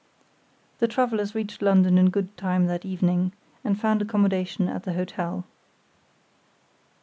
The travelers reached London in good time that evening, and found accommodation at the hotel.